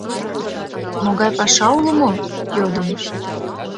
— Могай паша уло мо? — йодым.